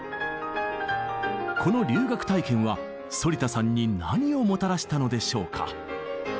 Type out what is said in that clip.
この留学体験は反田さんに何をもたらしたのでしょうか？